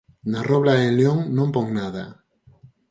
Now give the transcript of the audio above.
Na Robla e en León non pon nada.